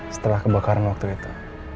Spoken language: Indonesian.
setelah kebakaran waktu itu